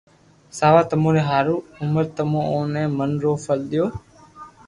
سآوا تموري ھاري عمر تمو اوني من رو فل ديو